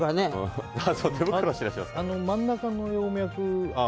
真ん中の葉脈。